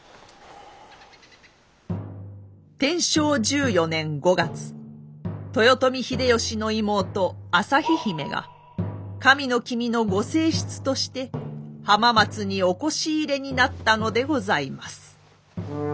天正１４年５月豊臣秀吉の妹旭姫が神の君のご正室として浜松におこし入れになったのでございます。